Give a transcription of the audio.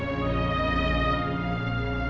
aku masih pengen di sini beberapa hari